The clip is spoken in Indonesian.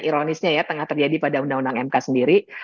ironisnya ya tengah terjadi pada undang undang mk sendiri